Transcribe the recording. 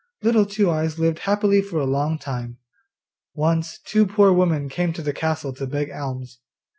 Little Two eyes lived happily for a long time. Once two poor women came to the castle to beg alms.